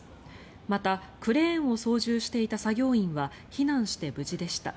また、クレーンを操縦していた作業員は避難して無事でした。